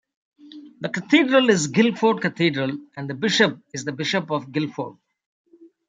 The cathedral is Guildford Cathedral and the bishop is the Bishop of Guildford.